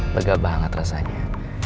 lega banget rasanya